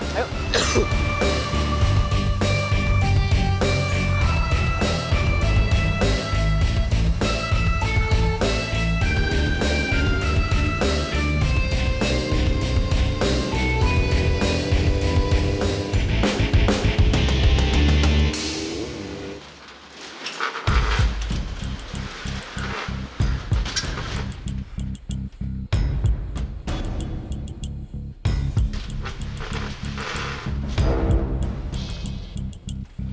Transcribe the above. masuklah ke masjid dulu